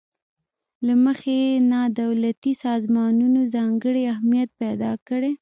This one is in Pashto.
له مخې یې نا دولتي سازمانونو ځانګړی اهمیت پیداکړی.